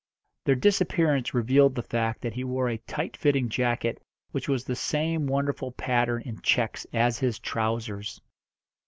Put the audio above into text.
Their disappearance revealed the fact that he wore a tight fitting jacket which was the same wonderful pattern in checks as his trousers.